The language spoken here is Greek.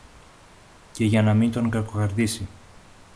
Και για να μην τον κακοκαρδίσει